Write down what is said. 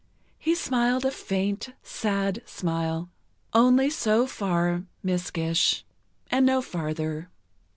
He smiled a faint, sad smile. "Only so far, Miss Gish, and no farther."